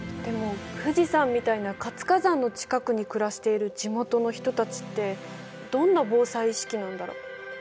でも富士山みたいな活火山の近くに暮らしている地元の人たちってどんな防災意識なんだろ？